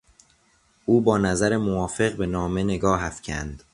او با نظر موافق به نامه نگاه افکند.